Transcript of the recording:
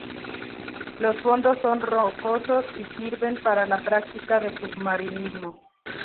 Los fondos son rocosos y sirven para la práctica de submarinismo.